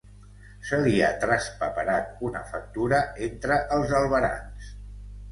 Se li ha traspaperat una factura entre els albarans.